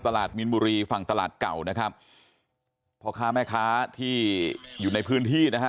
มินบุรีฝั่งตลาดเก่านะครับพ่อค้าแม่ค้าที่อยู่ในพื้นที่นะฮะ